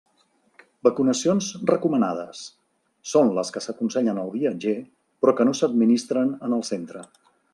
Vacunacions recomanades: són les que s'aconsellen al viatger, però que no s'administren en el centre.